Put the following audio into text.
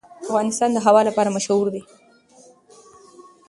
افغانستان د هوا لپاره مشهور دی.